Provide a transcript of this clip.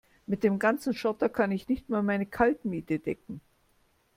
Mit dem ganzen Schotter kann ich nicht mal meine Kaltmiete decken.